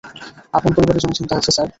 আপনার পরিবারের জন্য চিন্তা হচ্ছে, স্যার।